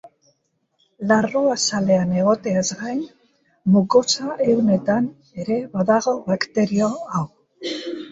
Larruazalean egoteaz gain, mukosa-ehunetan ere badago bakterio hau.